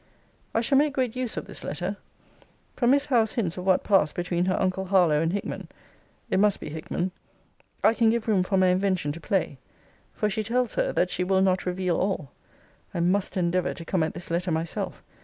I shall make great use of this letter. From Miss Howe's hints of what passed between her uncle Harlowe and Hickman, [it must be Hickman,] I can give room for my invention to play; for she tells her, that 'she will not reveal all.' I must endeavour to come at this letter myself.